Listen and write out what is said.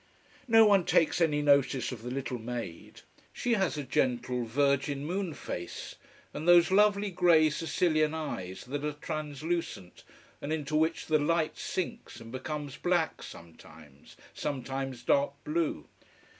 No one takes any notice of the little maid. She has a gentle, virgin moon face, and those lovely grey Sicilian eyes that are translucent, and into which the light sinks and becomes black sometimes, sometimes dark blue.